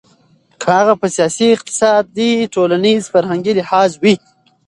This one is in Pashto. که هغه په سياسي، اقتصادي ،ټولنيز، فرهنګي لحاظ وي .